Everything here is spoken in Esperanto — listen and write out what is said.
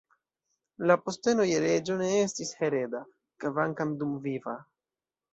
La posteno je reĝo ne estis hereda, kvankam dumviva.